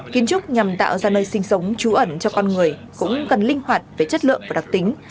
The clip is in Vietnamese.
kiến trúc nhằm tạo ra nơi sinh sống trú ẩn cho con người cũng cần linh khí